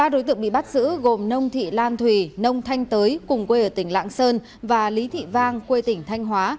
ba đối tượng bị bắt giữ gồm nông thị lan thùy nông thanh tới cùng quê ở tỉnh lạng sơn và lý thị vang quê tỉnh thanh hóa